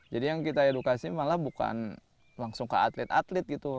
jadi yang kita edukasi malah bukan langsung ke atlet atlet gitu